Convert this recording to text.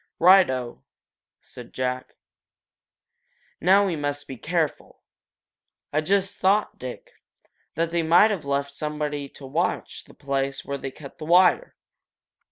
"Right, oh!" said Jack. "Now we must be careful. I've just thought, Dick, that they might have left someone to watch at the place where they cut the wire."